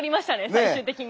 最終的に。